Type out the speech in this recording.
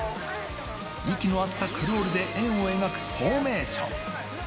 息の合ったクロールで円を描くフォーメーション。